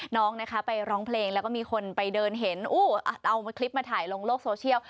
น้องนะคะไปร้องเพลงแล้วก็มีคนไปเดินเห็นเอาคลิปมาถ่ายลงโลกโซเชียล